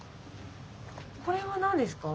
これは何ですか？